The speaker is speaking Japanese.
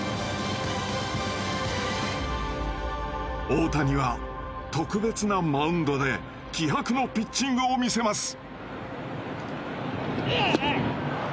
大谷は特別なマウンドで気迫のピッチングを見せます。